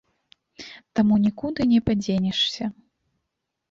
Таму нікуды не падзенешся.